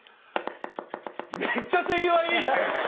めっちゃ手際いいね！